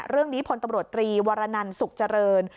เรื่องนี้ผลตำรวจตรีวารนันสุขเจริญ